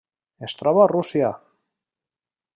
Es troba a Rússia.